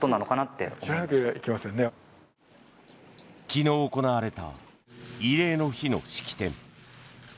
昨日行われた慰霊の日の式典。